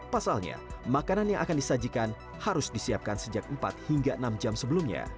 pasalnya makanan yang akan disajikan harus disiapkan sejak empat hingga enam jam sebelumnya